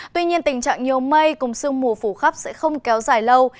tuy nhiên tình trạng nhiều mây cùng sương mù phủ khắp sẽ không kéo dài lâu